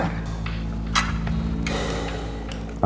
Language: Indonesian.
banyak banyak banyak